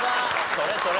それそれ！